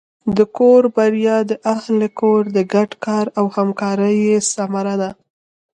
د کور بریا د اهلِ کور د ګډ کار او همکارۍ ثمره ده.